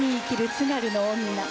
津軽の女。